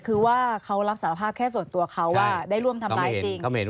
คือว่าเขารับสารภาพแค่ส่วนตัวเขาว่าได้ร่วมทำร้ายจริง